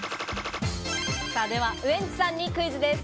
ではウエンツさんにクイズです。